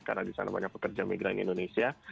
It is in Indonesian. karena di sana banyak pekerja migran indonesia